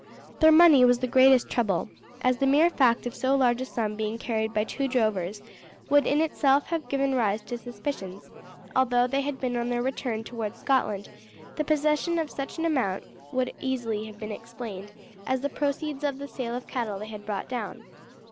Their money was the greatest trouble, as the mere fact of so large a sum being carried by two drovers would in itself have given rise to suspicions, although had they been on their return towards Scotland the possession of such an amount would have been easily explained as the proceeds of the sale of the cattle they had brought down.